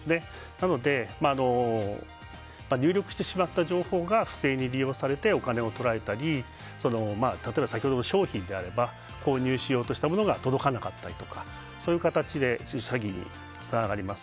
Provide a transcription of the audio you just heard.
なので入力してしまった情報が不正に利用されてお金を取られたり例えば、先ほどの商品であれば購入しようとしたものが届かなかったりとかそういう形で詐欺につながります。